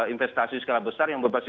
investasi skala besar yang berbasis